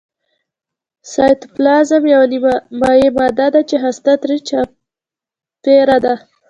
سایتوپلازم یوه نیمه مایع ماده ده چې هسته ترې چاپیره ده